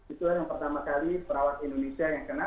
itulah yang pertama kali perawat indonesia yang kena